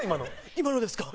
今のですか？